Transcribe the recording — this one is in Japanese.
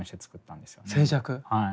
はい。